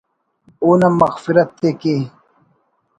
اونا مغفرت ءِ کے